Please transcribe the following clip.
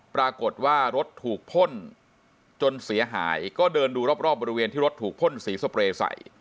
ปรากฏว่ารถถูกพ่นจนเสียหายก็เดินดูรอบบริเวณที่รถถูกพ่นสีสเปรย์ใส่